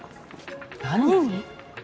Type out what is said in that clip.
何に？